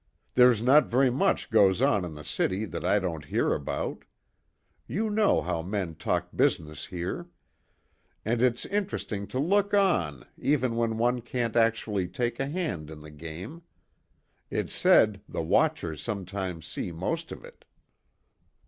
There's not very much goes on in the city that I don't hear about you know how men talk business here; and it's interesting to look on, even when one can't actually take a hand in the game. It's said the watchers sometimes see most of it."